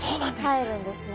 かえるんですね。